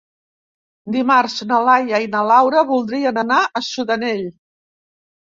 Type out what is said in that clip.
Dimarts na Laia i na Laura voldrien anar a Sudanell.